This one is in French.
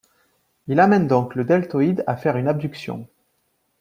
Il amène donc le deltoïde à faire une abduction.